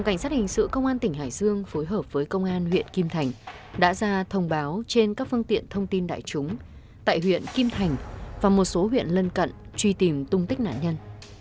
cảnh sát hình sự công an tỉnh hải dương phối hợp với công an huyện kim thành đã ra thông báo trên các phương tiện thông tin đại chúng tại huyện kim thành và một số huyện lân cận truy tìm tung tích nạn nhân